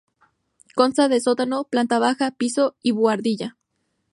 Consta de sótano, planta baja, piso y buhardilla.